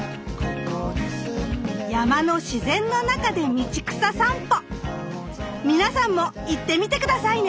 山の自然の中で道草さんぽ皆さんも行ってみて下さいね。